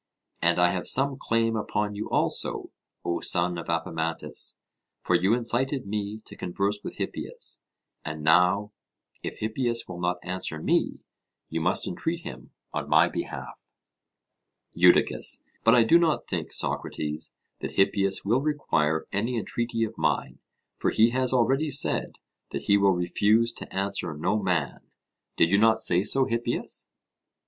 And I have some claim upon you also, O son of Apemantus, for you incited me to converse with Hippias; and now, if Hippias will not answer me, you must entreat him on my behalf. EUDICUS: But I do not think, Socrates, that Hippias will require any entreaty of mine; for he has already said that he will refuse to answer no man. Did you not say so, Hippias?